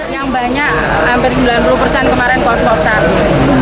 yang banyak hampir sembilan puluh persen kemarin kos kosan